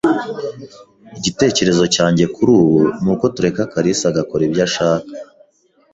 Igitekerezo cyanjye kuri ubu nuko tureka kalisa agakora ibyo ashaka.